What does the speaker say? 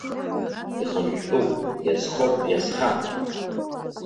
Ихынҳәтәуп, иазхоуп, иазха!